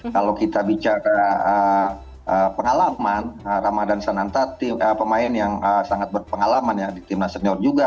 kalau kita bicara pengalaman ramadan sananta pemain yang sangat berpengalaman ya di timnas senior juga